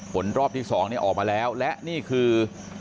ผลรอบที่๒ออกมาแล้วและนี่คือ